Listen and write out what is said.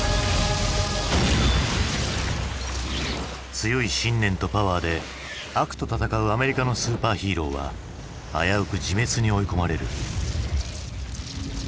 強い信念とパワーで悪と戦うアメリカのスーパーヒーローは危うく自滅に追い込まれる。